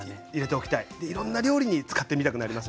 いろんな料理に使ってみたくなりますよね。